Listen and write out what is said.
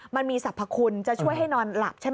มันมีสรรพคุณจะช่วยให้นอนหลับใช่ไหม